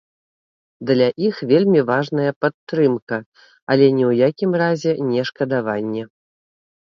Для іх вельмі важная падтрымка, але ні ў якім разе не шкадаванне.